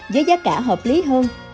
với giá cả hợp lý hơn